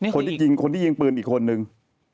คนที่ยิงปืนอีกคนหนึ่ง